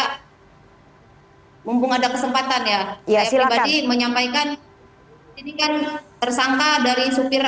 hai mumpung ada kesempatan ya ya silahkan menyampaikan ini kan tersangka dari supir